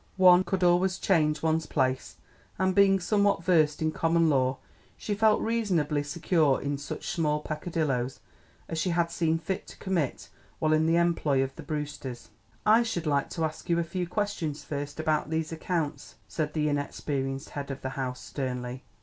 One could always change one's place, and being somewhat versed in common law, she felt reasonably secure in such small pecadilloes as she had seen fit to commit while in the employ of the Brewsters. "I should like to ask you a few questions first about these accounts," said the inexperienced head of the house sternly.